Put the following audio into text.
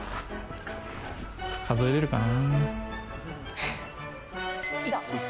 数えれるかな？